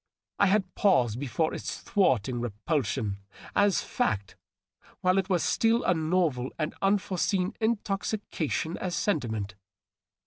I had paused before its thwarting repulsion as fact while it was still a novel and unforeseen intoxication as sentiment.